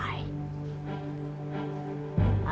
ada tidak ya